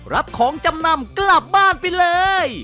รับของจำนำกลับบ้านไปเลย